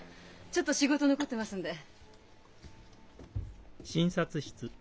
ちょっと仕事残ってますんで。